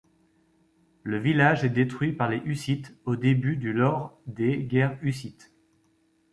Le village est détruit par les hussites au début du lors des guerres hussites.